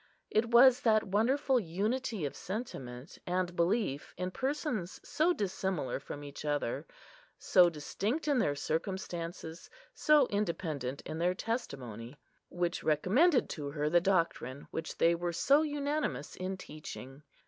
It was that wonderful unity of sentiment and belief in persons so dissimilar from each other, so distinct in their circumstances, so independent in their testimony, which recommended to her the doctrine which they were so unanimous in teaching.